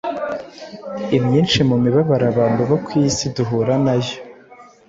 imyinshi mu mibabaro abantu bo ku isi duhura na yo,